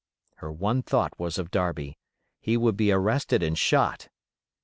Her one thought was of Darby; he would be arrested and shot.